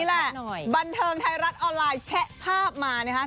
แหละบันเทิงไทยรัฐออนไลน์แชะภาพมานะคะ